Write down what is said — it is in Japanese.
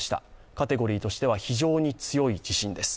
カテゴリーとしては非常に強い地震です。